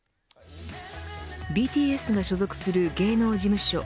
ＢＴＳの所属する芸能事務所